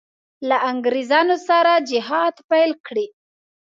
له انګرېزانو سره جهاد پیل کړي.